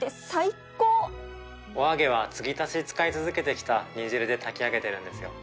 お揚げはつぎ足し使い続けてきた煮汁で炊き上げてるんですよ。